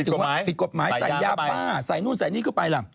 ใส่ยาบ้าใส่นู่นใส่นี่เข้าไป